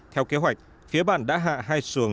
theo kế hoạch phía bàn đã hạ hai xuồng